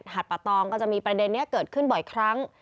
ดปะตองก็จะมีประเด็นนี้เกิดขึ้นบ่อยครั้ง